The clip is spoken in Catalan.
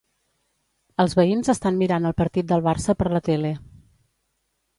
Els veïns estan mirant el partit del Barça per la tele